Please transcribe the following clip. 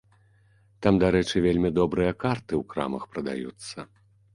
Там, дарэчы, вельмі добрыя карты ў крамах прадаюцца.